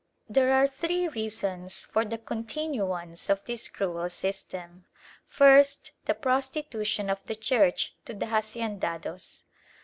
There are three reasons for the continuance of this cruel system. First, the prostitution of the Church to the haciendados.